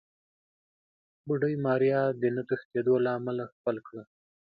بوډۍ ماريا د نه تښتېدو له امله ښکل کړه.